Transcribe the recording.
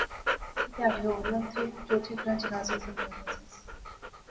کی تہاڑے ہور لنگتھے، میں چوتھے گراں جنازے اپر گیا ناں سیس